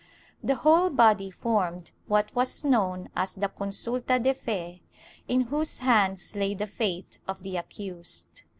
The whole body formed what was known as the consulta de fe, in whose hands lay the fate of the accused.